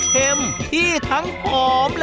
กะเพราทอดไว้